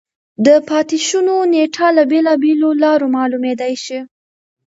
د پاتې شونو نېټه له بېلابېلو لارو معلومېدای شي.